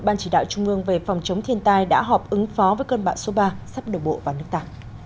ban chỉ đạo trung ương về phòng chống thiên tai đã họp ứng phó với cơn bão số ba sắp đổ bộ vào nước ta